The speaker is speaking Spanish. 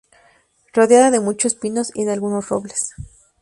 Rodeada de muchos pinos y de algunos robles.